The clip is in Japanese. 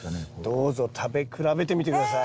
どうぞ食べ比べてみて下さい。